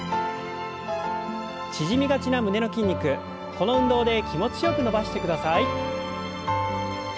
縮みがちな胸の筋肉この運動で気持ちよく伸ばしてください。